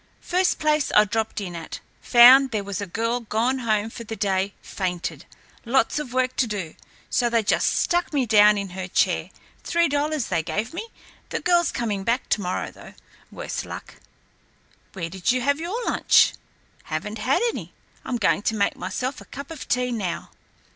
"First place I dropped in at. Found there was a girl gone home for the day, fainted. Lots of work to do, so they just stuck me down in her chair. Three dollars they gave me. The girl's coming back to morrow, though, worse luck." "When did you have your lunch?" "Haven't had any. I'm going to make myself a cup of tea now."